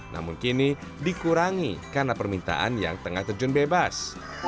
namun kini dikurangi karena permintaan yang tengah terjun bebas